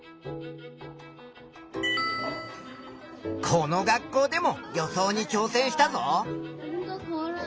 この学校でも予想にちょう戦したぞ。